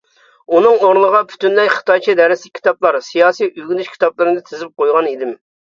ئۇنىڭ ئورنىغا پۈتۈنلەي خىتايچە دەرسلىك كىتابلار، سىياسىي ئۆگىنىش كىتابلىرىنى تىزىپ قويغان ئىدىم.